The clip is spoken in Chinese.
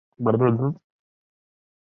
纽黑文大学位于此地。